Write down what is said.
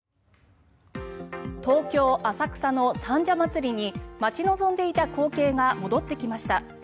東京・浅草の三社祭に待ち望んでいた光景が戻ってきました。